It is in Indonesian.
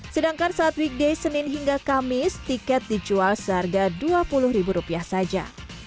sedangkan saat weekday senin hingga kamis tiket dijual seharga dua puluh ribu rupiah saja